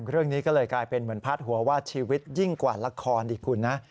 เรื่องนี้ก็เลยกลายเป็นเหมือนพาดหัวว่าชีวิตยิ่งกว่าละครอีกคุณนะ